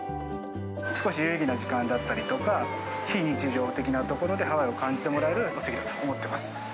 少し有意義な時間だったりとか、非日常的な所でハワイを感じてもらえるような席だと思ってます。